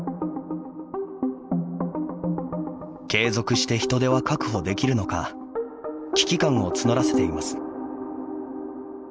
継続して人手は確保できるのか危機感を募らせています。